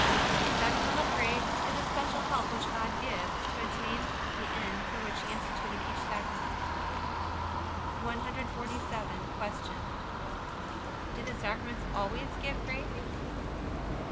Sacramental grace is a special help which God gives, to attain the end for which He instituted each Sacrament. 147. Q. Do the Sacraments always give grace?